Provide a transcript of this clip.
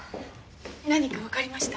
何かわかりました？